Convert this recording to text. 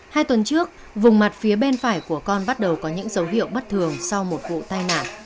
hai tuần trước vùng mặt phía bên phải của con bắt đầu có những dấu hiệu bất thường sau một vụ tai nạn